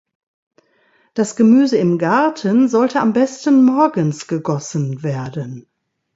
Das Gemüse im Garten sollte am besten morgens gegossen werden.